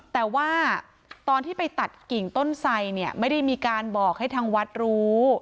แต่ว่าตอนที่ไปตัดกิ่งต้นไสเนี่ยไม่ได้มีการบอกให้ทางวัดรู้